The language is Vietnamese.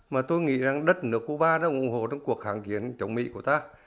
mà tôi nghĩ rằng đất nước cuba đã ủng hộ trong cuộc hạng kiến chống mỹ của ta